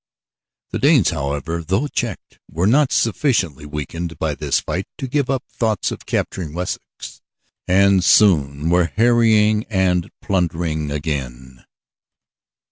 The Danes, however, though checked, were not sufficiently weakened by this fight to give up thoughts of capturing Wessex, and soon were harrying and plundering again.